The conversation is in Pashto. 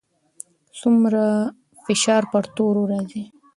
څومره فشار پر تورو راځي؟